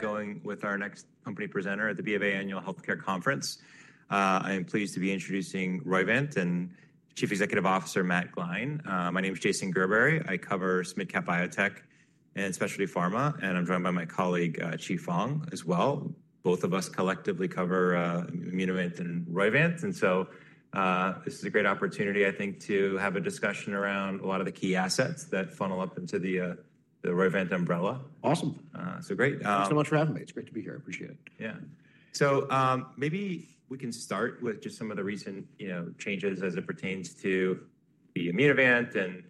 Going with our next company presenter at the BofA Annual Healthcare Conference, I am pleased to be introducing Roivant and Chief Executive Officer Matt Gline. My name is Jason Gerberry. I cover small-cap biotech and specialty pharma, and I'm joined by my colleague, Chi Fong, as well. Both of us collectively cover Immunovant and Roivant. This is a great opportunity, I think, to have a discussion around a lot of the key assets that funnel up into the Roivant umbrella. Awesome. So great. Thanks so much for having me. It's great to be here. I appreciate it. Yeah. Maybe we can start with just some of the recent changes as it pertains to Immunovant and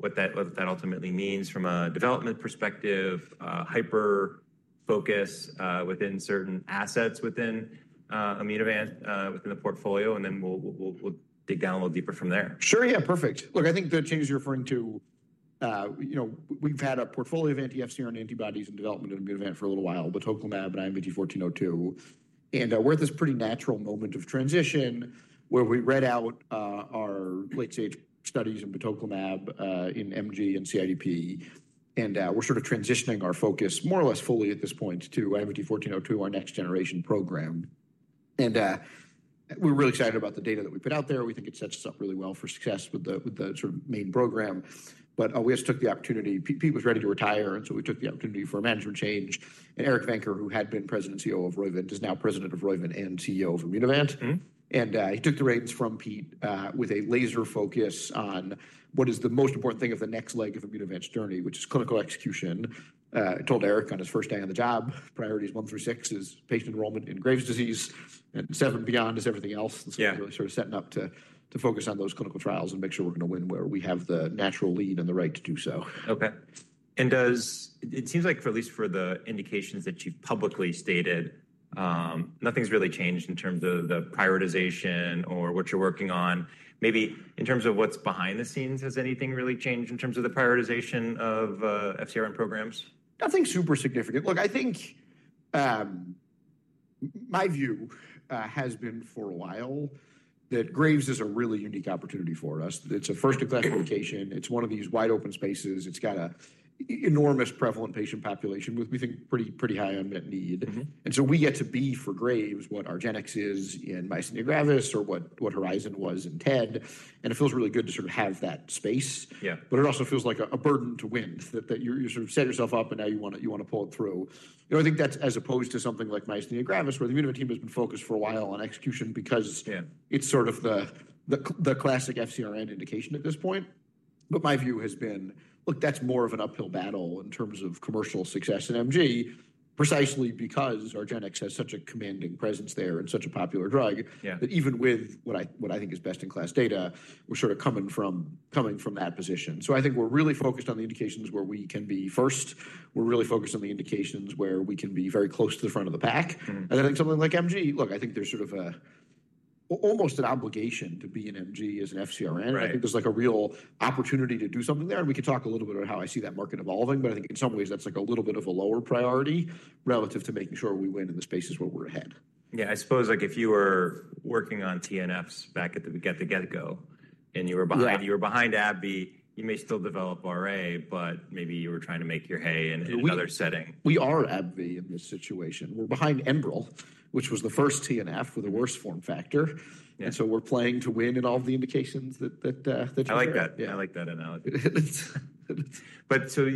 what that ultimately means from a development perspective, hyper-focus within certain assets within Immunovant, within the portfolio, and then we'll dig down a little deeper from there. Sure. Yeah, perfect. Look, I think the changes you're referring to, we've had a portfolio of anti-FcRn antibodies in development at Immunovant for a little while, Batoclimab and IMVT-1402. We're at this pretty natural moment of transition where we read out our late-stage studies in Batoclimab in MG and CIDP, and we're sort of transitioning our focus more or less fully at this point to IMVT-1402, our next-generation program. We're really excited about the data that we put out there. We think it sets us up really well for success with the main program. We just took the opportunity; Pete was ready to retire, and we took the opportunity for a management change. Eric Venker, who had been President and COO of Roivant, is now President of Roivant and CEO of Immunovant. He took the reins from Pete with a laser focus on what is the most important thing of the next leg of Immunovant's journey, which is clinical execution. I told Eric on his first day on the job, priorities one through six is patient enrollment in Graves' disease, and seven beyond is everything else. It's really sort of setting up to focus on those clinical trials and make sure we're going to win where we have the natural lead and the right to do so. Okay. It seems like, at least for the indications that you've publicly stated, nothing's really changed in terms of the prioritization or what you're working on. Maybe in terms of what's behind the scenes, has anything really changed in terms of the prioritization of FCRN programs? Nothing super significant. Look, I think my view has been for a while that Graves is a really unique opportunity for us. It's a first-class location. It's one of these wide open spaces. It's got an enormous prevalent patient population, which we think is pretty high unmet need. We get to be for Graves what Argenx is in myasthenia gravis or what Horizon was in TED. It feels really good to sort of have that space. It also feels like a burden to win, that you sort of set yourself up, and now you want to pull it through. I think that's as opposed to something like myasthenia gravis, where the Immunovant team has been focused for a while on execution because it's sort of the classic FCRN indication at this point. My view has been, look, that's more of an uphill battle in terms of commercial success in MG, precisely because Argenx has such a commanding presence there and such a popular drug that even with what I think is best-in-class data, we're sort of coming from that position. I think we're really focused on the indications where we can be first. We're really focused on the indications where we can be very close to the front of the pack. I think something like MG, look, I think there's sort of almost an obligation to be in MG as an FCRN. I think there's a real opportunity to do something there. We can talk a little bit about how I see that market evolving, but I think in some ways that's a little bit of a lower priority relative to making sure we win in the spaces where we're ahead. Yeah. I suppose if you were working on TNFs back at the get-go and you were behind AbbVie, you may still develop RA, but maybe you were trying to make your hay in another setting. We are AbbVie in this situation. We're behind Enbrel, which was the first TNF with a worse form factor. We are playing to win in all the indications that you've gotten. I like that. I like that analogy.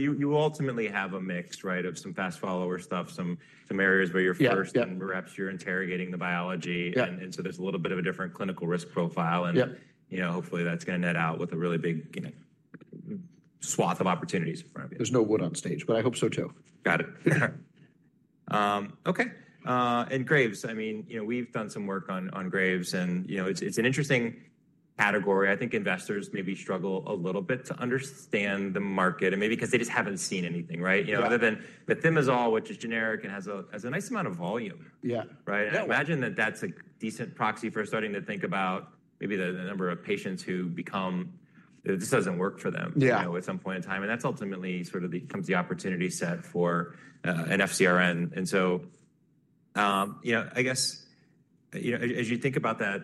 You ultimately have a mix of some fast-follower stuff, some areas where you're first, and perhaps you're interrogating the biology. There is a little bit of a different clinical risk profile. Hopefully, that's going to net out with a really big swath of opportunities in front of you. There's no wood on stage, but I hope so too. Got it. Okay. I mean, we've done some work on Graves, and it's an interesting category. I think investors maybe struggle a little bit to understand the market, and maybe because they just haven't seen anything, right? Other than methimazole, which is generic and has a nice amount of volume. Yeah. Right? I imagine that that's a decent proxy for starting to think about maybe the number of patients who become this doesn't work for them at some point in time. That ultimately sort of becomes the opportunity set for an FCRN. I guess as you think about that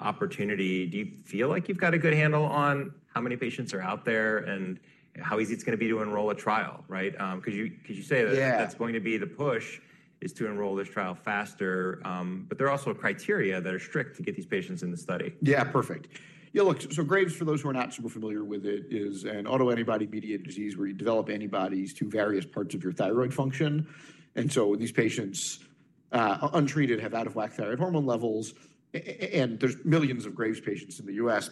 opportunity, do you feel like you've got a good handle on how many patients are out there and how easy it's going to be to enroll a trial, right? You say that's going to be the push, is to enroll this trial faster. There are also criteria that are strict to get these patients in the study. Yeah, perfect. Yeah, look, Graves, for those who are not super familiar with it, is an autoantibody-mediated disease where you develop antibodies to various parts of your thyroid function. These patients untreated have out-of-whack thyroid hormone levels. There are millions of Graves patients in the U.S.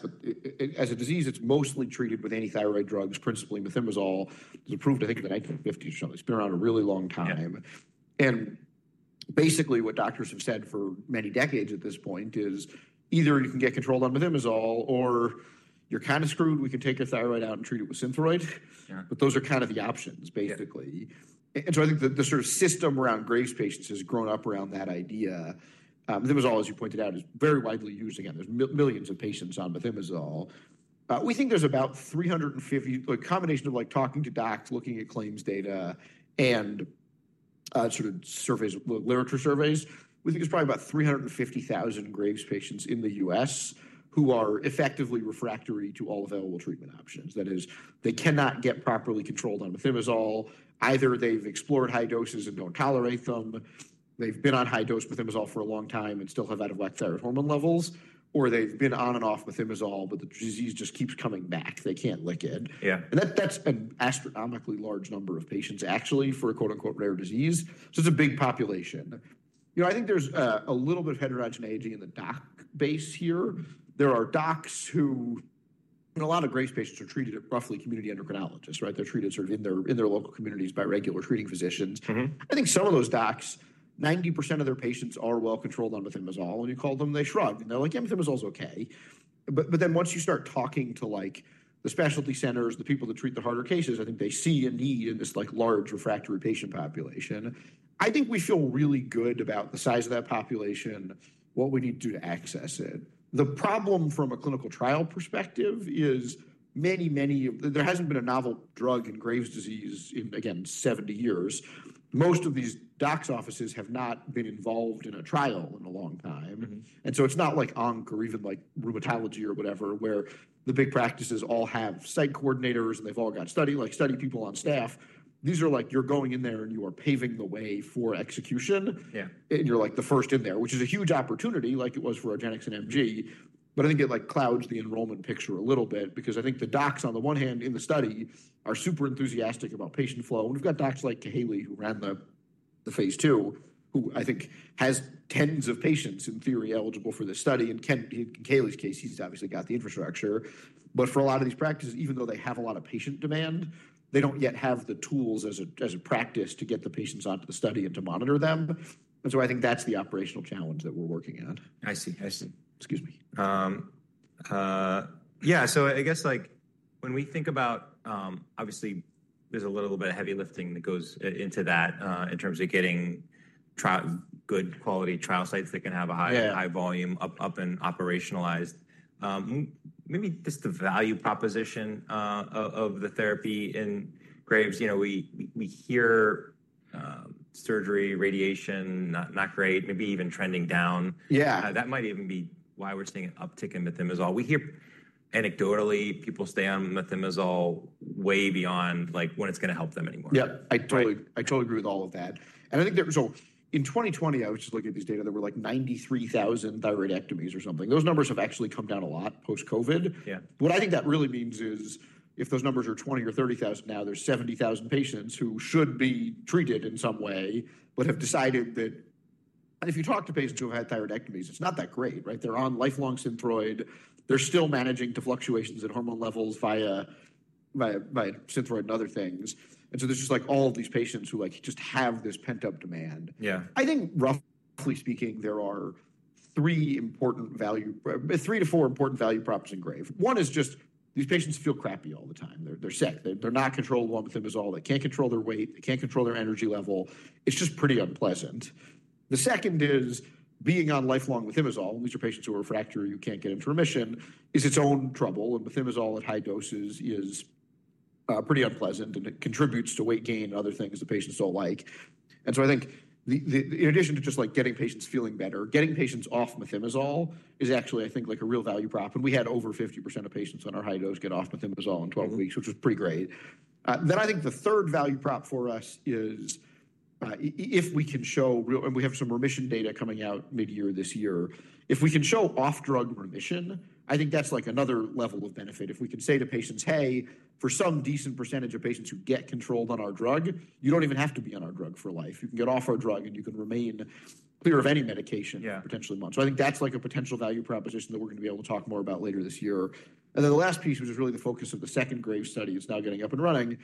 As a disease, it's mostly treated with anti-thyroid drugs, principally methimazole. It was approved, I think, in the 1950s or something. It's been around a really long time. Basically, what doctors have said for many decades at this point is either you can get controlled on methimazole or you're kind of screwed. We can take your thyroid out and treat it with Synthroid. Those are kind of the options, basically. I think the sort of system around Graves patients has grown up around that idea. Methimazole, as you pointed out, is very widely used. Again, there's millions of patients on methimazole. We think there's about 350, a combination of talking to docs, looking at claims data, and sort of literature surveys. We think there's probably about 350,000 Graves' patients in the U.S. who are effectively refractory to all available treatment options. That is, they cannot get properly controlled on methimazole. Either they've explored high doses and don't tolerate them. They've been on high-dose methimazole for a long time and still have out-of-whack thyroid hormone levels. Or they've been on and off methimazole, but the disease just keeps coming back. They can't lick it. That is an astronomically large number of patients, actually, for a "rare disease." It is a big population. I think there's a little bit of heterogeneity in the doc base here. There are docs who a lot of Graves' patients are treated at roughly community endocrinologists, right? They're treated sort of in their local communities by regular treating physicians. I think some of those docs, 90% of their patients are well controlled on methimazole. When you call them, they shrug. They're like, "Yeah, methimazole's okay." Once you start talking to the specialty centers, the people that treat the harder cases, I think they see a need in this large refractory patient population. I think we feel really good about the size of that population, what we need to do to access it. The problem from a clinical trial perspective is many, many there hasn't been a novel drug in Graves' disease in, again, 70 years. Most of these docs' offices have not been involved in a trial in a long time. It is not like ONC or even like rheumatology or whatever, where the big practices all have site coordinators and they have all got study people on staff. These are like you are going in there and you are paving the way for execution. You are like the first in there, which is a huge opportunity, like it was for Argenx and MG. I think it clouds the enrollment picture a little bit because I think the docs, on the one hand, in the study are super enthusiastic about patient flow. We have got docs like Kaylee, who ran the phase II, who I think has tens of patients, in theory, eligible for this study. In Kaylee's case, he has obviously got the infrastructure. For a lot of these practices, even though they have a lot of patient demand, they do not yet have the tools as a practice to get the patients onto the study and to monitor them. I think that is the operational challenge that we are working on. I see. I see. Excuse me. Yeah. I guess when we think about, obviously, there's a little bit of heavy lifting that goes into that in terms of getting good quality trial sites that can have a high volume up and operationalized. Maybe just the value proposition of the therapy in Graves. We hear surgery, radiation, not great, maybe even trending down. That might even be why we're seeing an uptick in methimazole. We hear anecdotally people stay on methimazole way beyond when it's going to help them anymore. Yeah. I totally agree with all of that. I think in 2020, I was just looking at these data. There were like 93,000 thyroidectomies or something. Those numbers have actually come down a lot post-COVID. What I think that really means is if those numbers are 20,000 or 30,000 now, there are 70,000 patients who should be treated in some way but have decided that if you talk to patients who have had thyroidectomies, it's not that great, right? They're on lifelong Synthroid. They're still managing fluctuations in hormone levels via Synthroid and other things. There are just all of these patients who just have this pent-up demand. I think, roughly speaking, there are three to four important value props in Graves. One is just these patients feel crappy all the time. They're sick. They're not controlled on methimazole. They can't control their weight. They can't control their energy level. It's just pretty unpleasant. The second is being on lifelong methimazole, and these are patients who are refractory. You can't get into remission, is its own trouble. And methimazole at high doses is pretty unpleasant, and it contributes to weight gain and other things the patients don't like. I think in addition to just getting patients feeling better, getting patients off methimazole is actually, I think, a real value prop. We had over 50% of patients on our high dose get off methimazole in 12 weeks, which was pretty great. I think the third value prop for us is if we can show real, and we have some remission data coming out mid-year this year. If we can show off-drug remission, I think that's like another level of benefit. If we can say to patients, "Hey, for some decent percentage of patients who get controlled on our drug, you don't even have to be on our drug for life. You can get off our drug, and you can remain clear of any medication for potentially months." I think that's like a potential value proposition that we're going to be able to talk more about later this year. The last piece, which is really the focus of the second Graves study that's now getting up and running,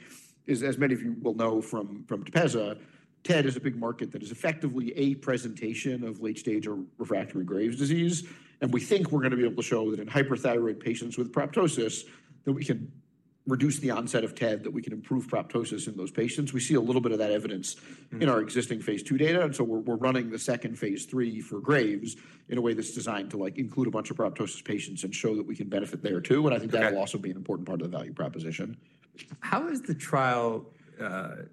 is, as many of you will know from Tepezza, TED is a big market that is effectively a presentation of late-stage or refractory Graves disease. We think we're going to be able to show that in hyperthyroid patients with proptosis, we can reduce the onset of TED, that we can improve proptosis in those patients. We see a little bit of that evidence in our existing phase II data. We are running the second phase III for Graves in a way that's designed to include a bunch of proptosis patients and show that we can benefit there too. I think that will also be an important part of the value proposition. How is the trial?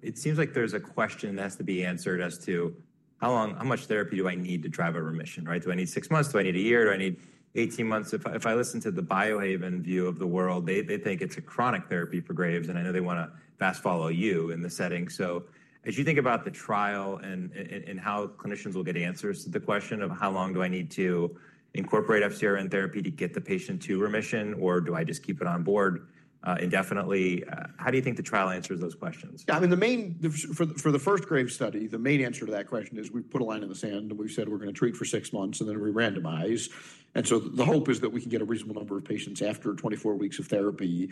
It seems like there's a question that has to be answered as to how much therapy do I need to drive a remission, right? Do I need six months? Do I need a year? Do I need 18 months? If I listen to the Biohaven view of the world, they think it's a chronic therapy for Graves. And I know they want to fast-follow you in the setting. As you think about the trial and how clinicians will get answers to the question of how long do I need to incorporate FCRN therapy to get the patient to remission, or do I just keep it on board indefinitely? How do you think the trial answers those questions? Yeah. I mean, for the first Graves study, the main answer to that question is we put a line in the sand. We said we're going to treat for six months, and then we randomize. The hope is that we can get a reasonable number of patients after 24 weeks of therapy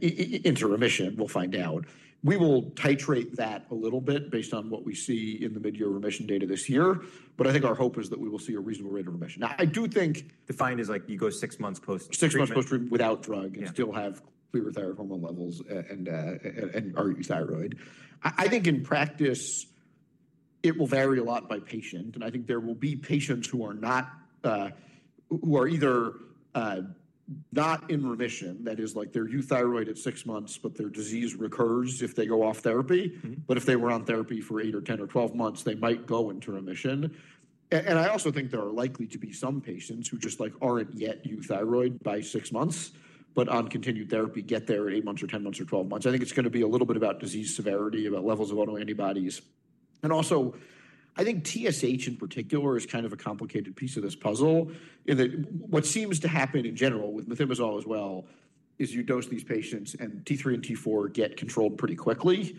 into remission. We'll find out. We will titrate that a little bit based on what we see in the mid-year remission data this year. I think our hope is that we will see a reasonable rate of remission. Now, I do think. The find is like you go six months post-treatment. Six months post-treatment without drug and still have clear thyroid hormone levels and are euthyroid. I think in practice, it will vary a lot by patient. I think there will be patients who are either not in remission, that is, they're euthyroid at six months, but their disease recurs if they go off therapy. If they were on therapy for 8 or 10 or 12 months, they might go into remission. I also think there are likely to be some patients who just aren't yet euthyroid by six months but on continued therapy get there at 8 months or 10 months or 12 months. I think it's going to be a little bit about disease severity, about levels of autoantibodies. I think TSH in particular is kind of a complicated piece of this puzzle. What seems to happen in general with methimazole as well is you dose these patients, and T3 and T4 get controlled pretty quickly.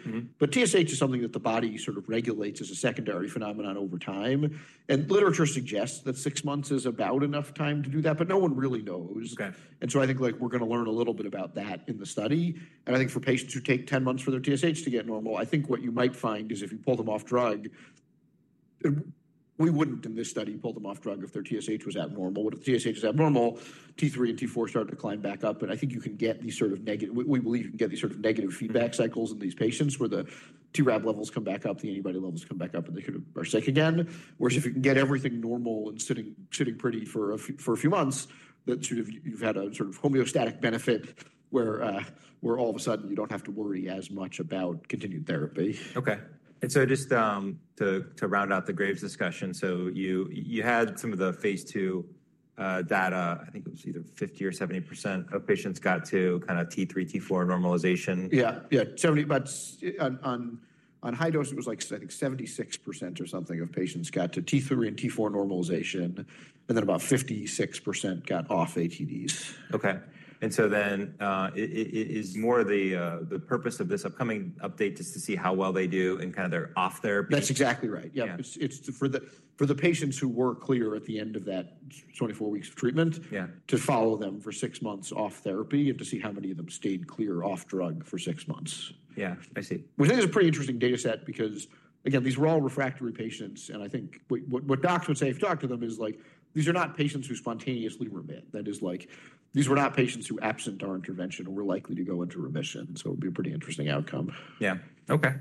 TSH is something that the body sort of regulates as a secondary phenomenon over time. Literature suggests that six months is about enough time to do that, but no one really knows. I think we're going to learn a little bit about that in the study. I think for patients who take 10 months for their TSH to get normal, I think what you might find is if you pull them off drug, we wouldn't in this study pull them off drug if their TSH was abnormal. When the TSH is abnormal, T3 and T4 start to climb back up. I think you can get these sort of negative, we believe you can get these sort of negative feedback cycles in these patients where the TRAB levels come back up, the antibody levels come back up, and they are sick again. Whereas if you can get everything normal and sitting pretty for a few months, that sort of, you've had a sort of homeostatic benefit where all of a sudden you do not have to worry as much about continued therapy. Okay. And just to round out the Graves discussion, you had some of the phase II data. I think it was either 50% or 70% of patients got to kind of T3, T4 normalization. Yeah. Yeah. On high dose, it was like, I think, 76% or something of patients got to T3 and T4 normalization. Then about 56% got off ATDs. Okay. Is more of the purpose of this upcoming update just to see how well they do and kind of their off therapy? That's exactly right. Yeah. It's for the patients who were clear at the end of that 24 weeks of treatment to follow them for six months off therapy and to see how many of them stayed clear off drug for six months. Yeah. I see. Which I think is a pretty interesting data set because, again, these were all refractory patients. I think what docs would say if you talk to them is like, "These are not patients who spontaneously remit." That is like, "These were not patients who absent our intervention or were likely to go into remission." It would be a pretty interesting outcome. Yeah. Okay.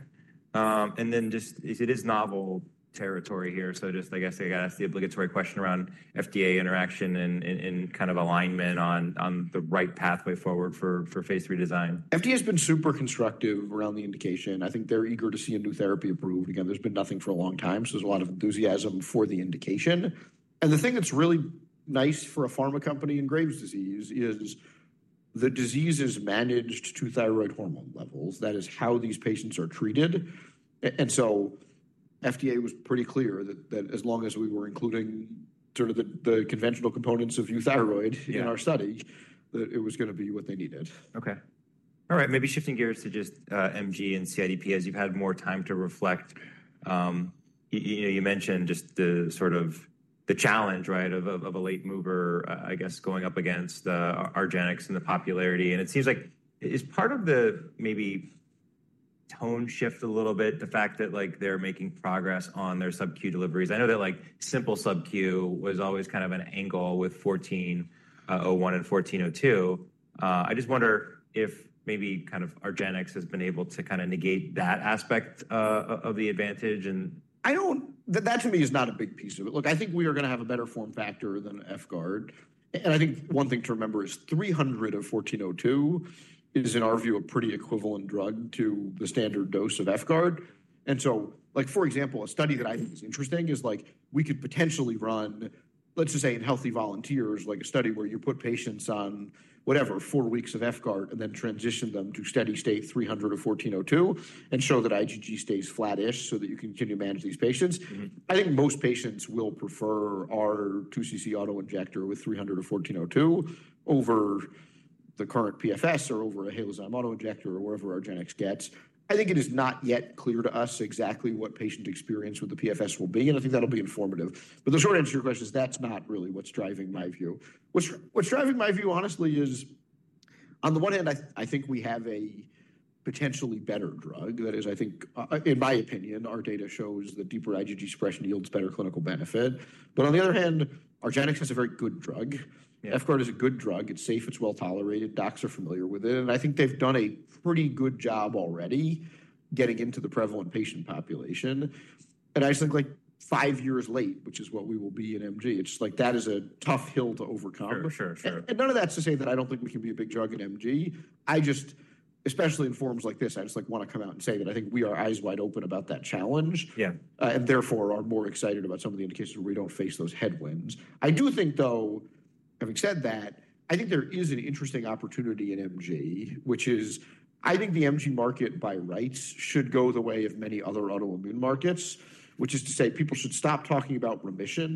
It is novel territory here. I guess I got to ask the obligatory question around FDA interaction and kind of alignment on the right pathway forward for phase III design. FDA has been super constructive around the indication. I think they're eager to see a new therapy approved. Again, there's been nothing for a long time. There is a lot of enthusiasm for the indication. The thing that's really nice for a pharma company in Graves' disease is the disease is managed to thyroid hormone levels. That is how these patients are treated. FDA was pretty clear that as long as we were including sort of the conventional components of euthyroid in our study, that it was going to be what they needed. Okay. All right. Maybe shifting gears to just MG and CIDP as you've had more time to reflect. You mentioned just the sort of the challenge, right, of a late mover, I guess, going up against Argenx and the popularity. It seems like is part of the maybe tone shift a little bit the fact that they're making progress on their subQ deliveries? I know that simple subQ was always kind of an angle with 1401 and 1402. I just wonder if maybe kind of Argenx has been able to kind of negate that aspect of the advantage and. I don't, that to me is not a big piece of it. Look, I think we are going to have a better form factor than EffGard. I think one thing to remember is 300 of 1402 is, in our view, a pretty equivalent drug to the standard dose of EffGard. For example, a study that I think is interesting is like we could potentially run, let's just say in healthy volunteers, like a study where you put patients on whatever, four weeks of EffGard and then transition them to steady state 300 of 1402 and show that IgG stays flattish so that you can continue to manage these patients. I think most patients will prefer our 2 cc autoinjector with 300 of 1402 over the current PFS or over a Halozim autoinjector or wherever Argenx gets. I think it is not yet clear to us exactly what patient experience with the PFS will be. I think that'll be informative. The short answer to your question is that's not really what's driving my view. What's driving my view, honestly, is on the one hand, I think we have a potentially better drug. That is, I think, in my opinion, our data shows that deeper IgG suppression yields better clinical benefit. On the other hand, Argenx is a very good drug. EffGard is a good drug. It's safe. It's well tolerated. Docs are familiar with it. I think they've done a pretty good job already getting into the prevalent patient population. I just think like five years late, which is what we will be in MG, it's like that is a tough hill to overcome. None of that's to say that I don't think we can be a big drug in MG. I just, especially in forms like this, I just want to come out and say that I think we are eyes wide open about that challenge. Therefore, we are more excited about some of the indications where we don't face those headwinds. I do think, though, having said that, I think there is an interesting opportunity in MG, which is I think the MG market by rights should go the way of many other autoimmune markets, which is to say people should stop talking about response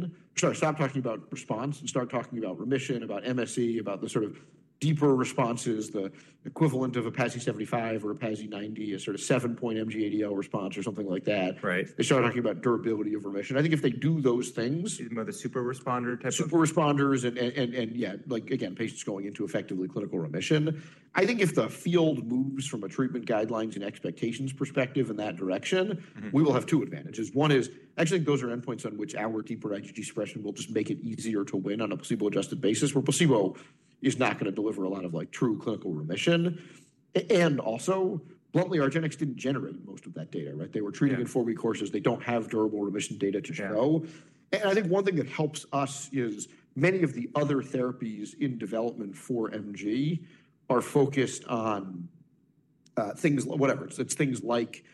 and start talking about remission, about MSE, about the sort of deeper responses, the equivalent of a PASI 75 or a PASI 90, a sort of 7-point MG-ADL response or something like that. They start talking about durability of remission. I think if they do those things. You mean the super responder type of. Super responders and, yeah, again, patients going into effectively clinical remission. I think if the field moves from a treatment guidelines and expectations perspective in that direction, we will have two advantages. One is I actually think those are endpoints on which our deeper IgG suppression will just make it easier to win on a placebo-adjusted basis where placebo is not going to deliver a lot of true clinical remission. Also, bluntly, Argenx did not generate most of that data, right? They were treating in four-week courses. They do not have durable remission data to show. I think one thing that helps us is many of the other therapies in development for MG are focused on things, whatever. It is things like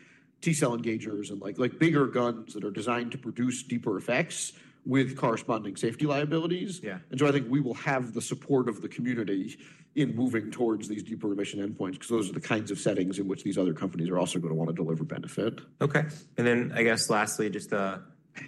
T-cell engagers and bigger guns that are designed to produce deeper effects with corresponding safety liabilities. I think we will have the support of the community in moving towards these deeper remission endpoints because those are the kinds of settings in which these other companies are also going to want to deliver benefit. Okay. I guess lastly, just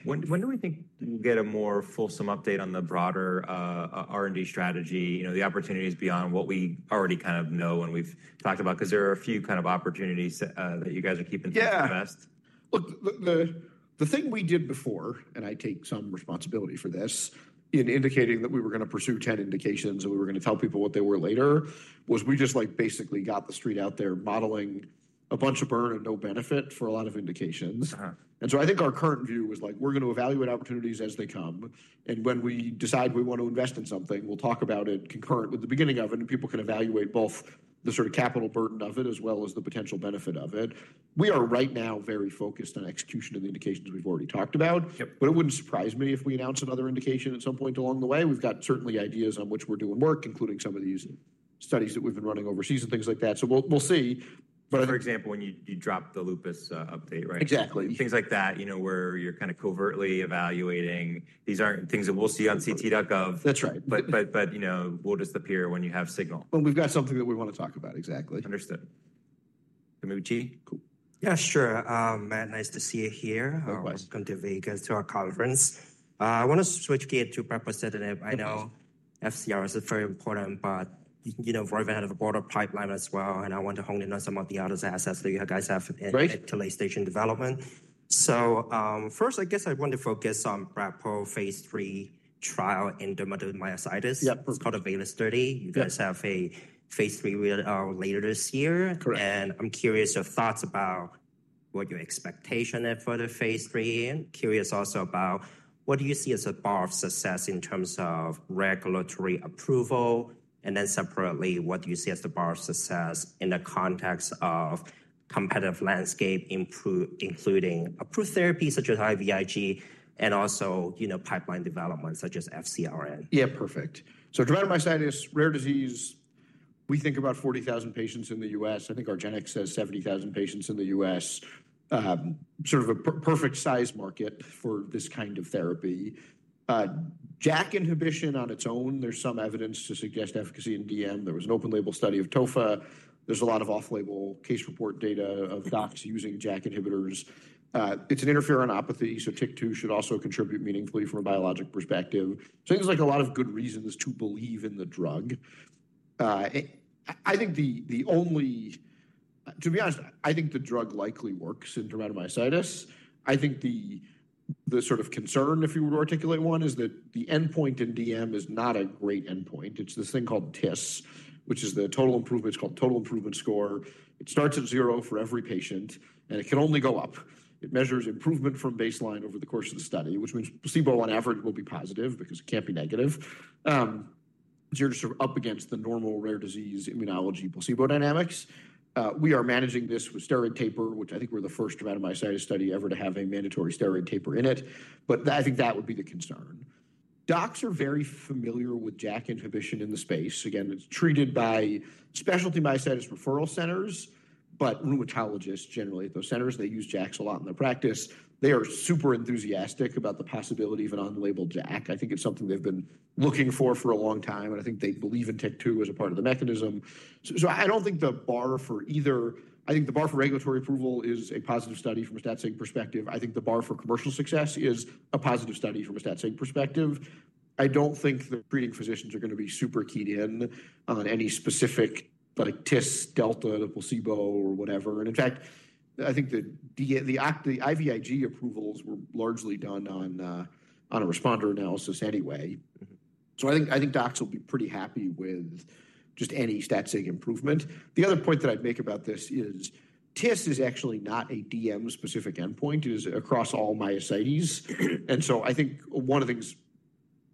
when do we think you'll get a more fulsome update on the broader R&D strategy, the opportunities beyond what we already kind of know and we've talked about? Because there are a few kind of opportunities that you guys are keeping to the vest. Yeah. Look, the thing we did before, and I take some responsibility for this, in indicating that we were going to pursue 10 indications and we were going to tell people what they were later, was we just basically got the street out there modeling a bunch of burn and no benefit for a lot of indications. I think our current view was like, we're going to evaluate opportunities as they come. When we decide we want to invest in something, we'll talk about it concurrent with the beginning of it. People can evaluate both the sort of capital burden of it as well as the potential benefit of it. We are right now very focused on execution of the indications we've already talked about. It wouldn't surprise me if we announce another indication at some point along the way. We've got certainly ideas on which we're doing work, including some of these studies that we've been running overseas and things like that. We will see. For example, when you drop the lupus update, right? Exactly. Things like that where you're kind of covertly evaluating. These aren't things that we'll see on ct.gov. That's right. We will just appear when you have signal. When we've got something that we want to talk about, exactly. Understood. Give me a tea. Cool. Yeah, sure. Matt, nice to see you here. Likewise. Welcome to Vegas, to our conference. I want to switch gears to Brad Pernstein. I know FcRn is very important, but we're at the broader pipeline as well. I want to hone in on some of the other assets that you guys have in late-stage development. First, I guess I want to focus on brepocitinib's phase III trial in dermatomyositis. It's called the BAYOU study. You guys have a phase III later this year. I'm curious your thoughts about what your expectation is for the phase III. Curious also about what you see as a bar of success in terms of regulatory approval. Separately, what do you see as the bar of success in the context of competitive landscape, including approved therapies such as IVIG and also pipeline development such as FcRn? Yeah, perfect. Dermatomyositis is a rare disease. We think about 40,000 patients in the US. I think Argenx has 70,000 patients in the US, sort of a perfect size market for this kind of therapy. JAK inhibition on its own, there's some evidence to suggest efficacy in DM. There was an open-label study of tofacitinib. There's a lot of off-label case report data of docs using JAK inhibitors. It's an interferonopathy, so TYK2 should also contribute meaningfully from a biologic perspective. It seems like a lot of good reasons to believe in the drug. I think the only, to be honest, I think the drug likely works in dermatomyositis. I think the sort of concern, if you were to articulate one, is that the endpoint in DM is not a great endpoint. It's this thing called TIS, which is the total improvement. It's called Total Improvement Score. It starts at zero for every patient, and it can only go up. It measures improvement from baseline over the course of the study, which means placebo on average will be positive because it can't be negative. You are just sort of up against the normal rare disease immunology placebo dynamics. We are managing this with steroid taper, which I think we are the first dermatomyositis study ever to have a mandatory steroid taper in it. I think that would be the concern. Docs are very familiar with JAK inhibition in the space. Again, it is treated by specialty myositis referral centers, but rheumatologists generally at those centers, they use JAKs a lot in their practice. They are super enthusiastic about the possibility of an unlabeled JAK. I think it is something they have been looking for for a long time. I think they believe in TYK2 as a part of the mechanism. I do not think the bar for either, I think the bar for regulatory approval is a positive study from a stat-saving perspective. I think the bar for commercial success is a positive study from a stat-saving perspective. I do not think the treating physicians are going to be super keyed in on any specific TIS, delta, the placebo, or whatever. In fact, I think the IVIG approvals were largely done on a responder analysis anyway. I think docs will be pretty happy with just any stat-saving improvement. The other point that I would make about this is TIS is actually not a DM-specific endpoint. It is across all myositis. I think one of the things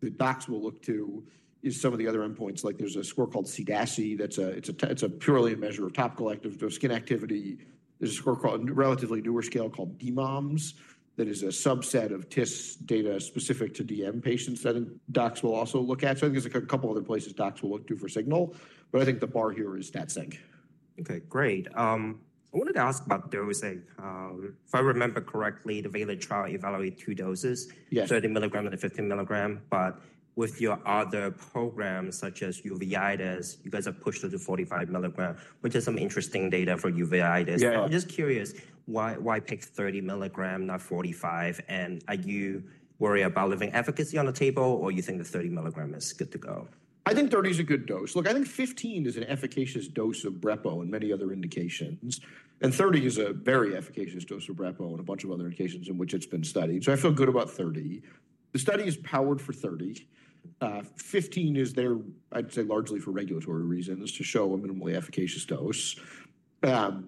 that docs will look to is some of the other endpoints. Like there is a score called CDASI. It's purely a measure of topical activity or skin activity. There's a relatively newer scale called DMOMS that is a subset of TIS data specific to DM patients that docs will also look at. I think there's a couple of other places docs will look to for signal. I think the bar here is stat-saving. Okay, great. I wanted to ask about dosing. If I remember correctly, the Bayless trial evaluated two doses, 30 mg and the 15 mg. With your other programs, such as uveitis, you guys have pushed it to 45 mg, which is some interesting data for uveitis. I'm just curious why pick 30 mg, not 45 mg? Are you worried about leaving efficacy on the table, or you think the 30 mg is good to go? I think 30 is a good dose. Look, I think 15 is an efficacious dose of Brepo in many other indications. 30 is a very efficacious dose of Brepo in a bunch of other indications in which it's been studied. I feel good about 30. The study is powered for 30. 15 is there, I'd say, largely for regulatory reasons to show a minimally efficacious dose. I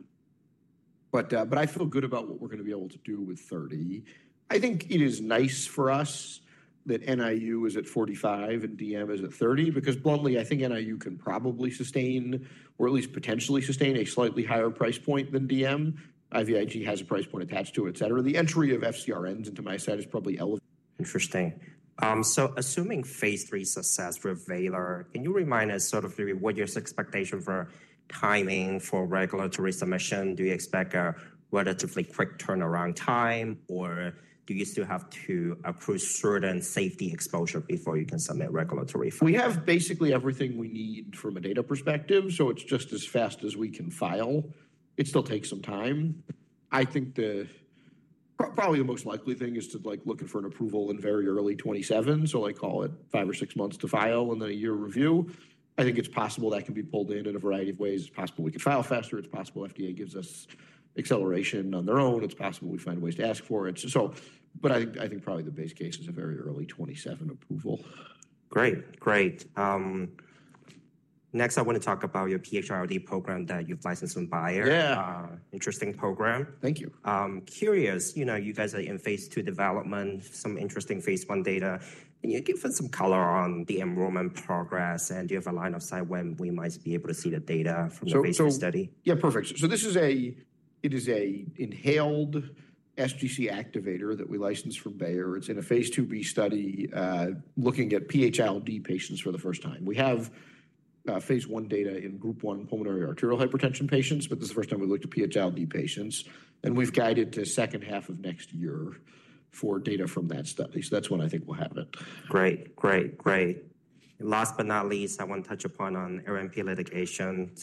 feel good about what we're going to be able to do with 30. I think it is nice for us that NIU is at 45 and DM is at 30 because, bluntly, I think NIU can probably sustain, or at least potentially sustain, a slightly higher price point than DM. IVIG has a price point attached to it, et cetera. The entry of FCRNs into myositis is probably. Interesting. So assuming phase III success for Vaylor, can you remind us sort of what your expectation for timing for regulatory submission? Do you expect a relatively quick turnaround time, or do you still have to accrue certain safety exposure before you can submit regulatory? We have basically everything we need from a data perspective. So it's just as fast as we can file. It still takes some time. I think probably the most likely thing is to look for an approval in very early 2027. So I call it five or six months to file and then a year review. I think it's possible that can be pulled in in a variety of ways. It's possible we can file faster. It's possible FDA gives us acceleration on their own. It's possible we find ways to ask for it. I think probably the base case is a very early 2027 approval. Great, great. Next, I want to talk about your PH-ILD program that you've licensed from Bayer. Interesting program. Yeah. Thank you. Curious, you guys are in phase II development, some interesting phase Idata. Can you give us some color on the enrollment progress? Do you have a line of sight when we might be able to see the data from the basic study? Yeah, perfect. This is an inhaled SGC activator that we licensed from Bayer. It's in a phase 2b study looking at PH-ILD patients for the first time. We have phase I data in group 1 pulmonary arterial hypertension patients, but this is the first time we looked at PH-ILD patients. We've guided to second half of next year for data from that study. That's when I think we'll have it. Great, great, great. Last but not least, I want to touch upon on LNP litigation.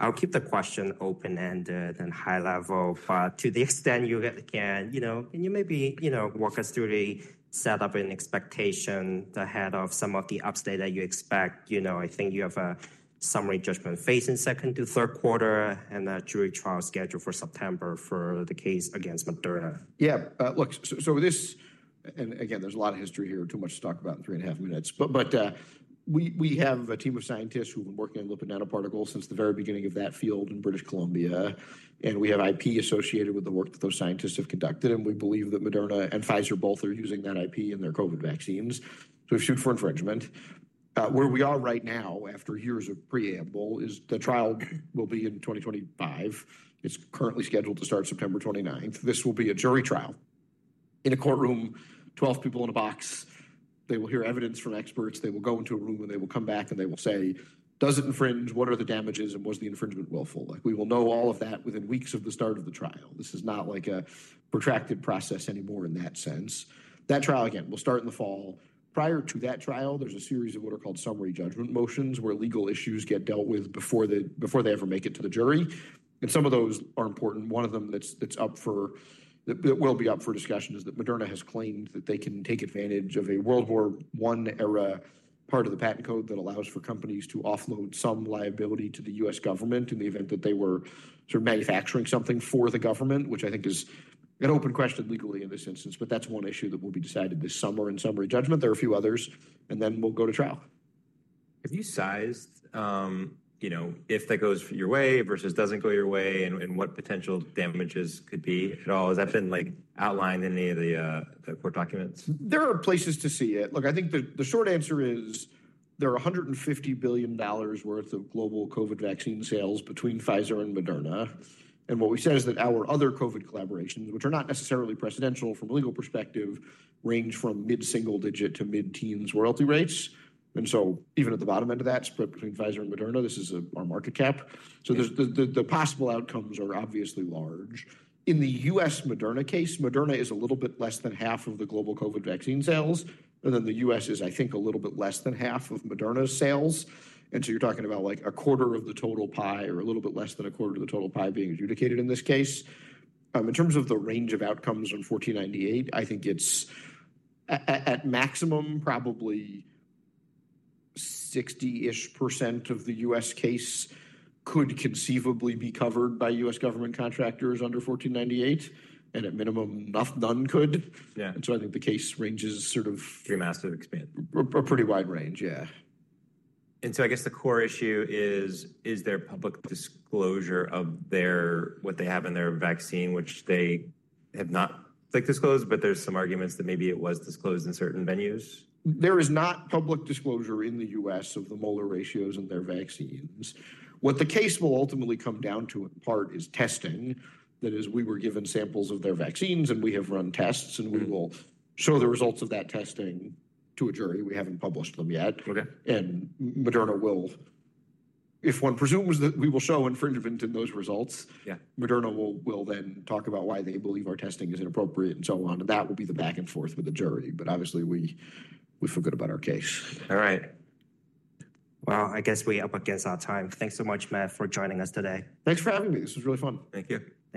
I'll keep the question open-ended and high level. To the extent you can, can you maybe walk us through the setup and expectation ahead of some of the updates that you expect? I think you have a summary judgment phase in second to third quarter and a jury trial scheduled for September for the case against Moderna. Yeah. Look, so this and again, there's a lot of history here, too much to talk about in three and a half minutes. But we have a team of scientists who've been working on lipid nanoparticles since the very beginning of that field in British Columbia. And we have IP associated with the work that those scientists have conducted. We believe that Moderna and Pfizer both are using that IP in their COVID vaccines. We have sued for infringement. Where we are right now, after years of preamble, is the trial will be in 2025. It's currently scheduled to start September 29th. This will be a jury trial in a courtroom, 12 people in a box. They will hear evidence from experts. They will go into a room, and they will come back, and they will say, does it infringe? What are the damages? And was the infringement willful? We will know all of that within weeks of the start of the trial. This is not like a protracted process anymore in that sense. That trial, again, will start in the fall. Prior to that trial, there is a series of what are called summary judgment motions where legal issues get dealt with before they ever make it to the jury. Some of those are important. One of them that is up for discussion is that Moderna has claimed that they can take advantage of a World War I era part of the patent code that allows for companies to offload some liability to the U.S. government in the event that they were sort of manufacturing something for the government, which I think is an open question legally in this instance. That is one issue that will be decided this summer in summary judgment. There are a few others, and then we'll go to trial. Have you sized if that goes your way versus does not go your way and what potential damages could be at all? Has that been outlined in any of the court documents? There are places to see it. Look, I think the short answer is there are $150 billion worth of global COVID vaccine sales between Pfizer and Moderna. What we said is that our other COVID collaborations, which are not necessarily presidential from a legal perspective, range from mid-single digit to mid-teens royalty rates. Even at the bottom end of that, spread between Pfizer and Moderna, this is our market cap. The possible outcomes are obviously large. In the U.S. Moderna case, Moderna is a little bit less than half of the global COVID vaccine sales. The U.S. is, I think, a little bit less than half of Moderna's sales. You are talking about like a quarter of the total pie or a little bit less than a quarter of the total pie being adjudicated in this case. In terms of the range of outcomes on 1498, I think it's at maximum probably 60% of the US case could conceivably be covered by US government contractors under 1498. At minimum, none could. I think the case ranges sort of. Pretty massive expanse. A pretty wide range, yeah. I guess the core issue is, is there public disclosure of what they have in their vaccine, which they have not disclosed, but there's some arguments that maybe it was disclosed in certain venues? There is not public disclosure in the U.S. of the molar ratios in their vaccines. What the case will ultimately come down to in part is testing. That is, we were given samples of their vaccines, and we have run tests, and we will show the results of that testing to a jury. We haven't published them yet. If one presumes that we will show infringement in those results, Moderna will then talk about why they believe our testing is inappropriate and so on. That will be the back and forth with the jury. Obviously, we forgot about our case. All right. I guess we are up against our time. Thanks so much, Matt, for joining us today. Thanks for having me. This was really fun. Thank you.